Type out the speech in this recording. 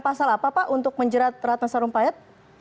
pasal apa pak untuk menjerat ratna sarumpayat